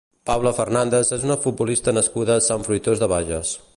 Paula Fernández és una futbolista nascuda a Sant Fruitós de Bages.